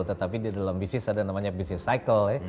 tetapi di dalam bisnis ada namanya bisnis cycle ya